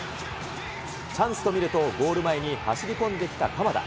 チャンスと見ると、ゴール前に走り込んできた鎌田。